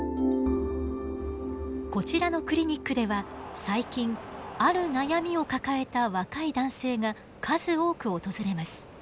こちらのクリニックでは最近ある悩みを抱えた若い男性が数多く訪れます。